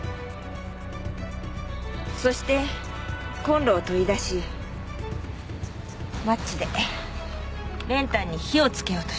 そしてコンロを取り出しマッチで練炭に火をつけようとした。